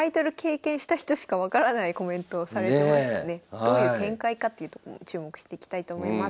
どういう展開かっていうとこも注目していきたいと思います。